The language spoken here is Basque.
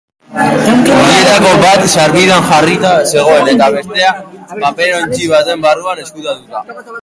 Horietako bat sarbidean jarrita zegoen eta bestea paperontzi baten barruan ezkutatuta.